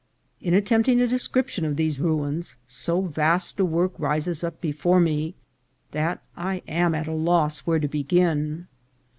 In attempting a description of these ruins, so vast a work rises up before me that I am at a loss where to begin.